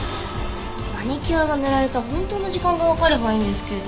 マニキュアが塗られた本当の時間がわかればいいんですけど。